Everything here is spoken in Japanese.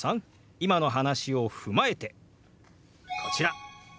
今の話を踏まえてこちら。